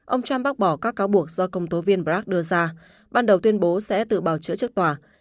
ông trump bác bỏ các cáo buộc do công tố viên brag đưa ra ban đầu tuyên bố sẽ tự bào chữa trước tòa